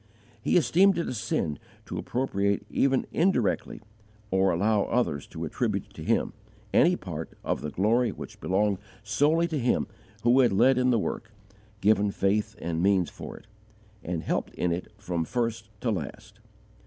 He esteemed it a sin to appropriate even indirectly, or allow others to attribute to him, any part of the glory which belonged solely to Him who had led in the work, given faith and means for it, and helped in it from first to last.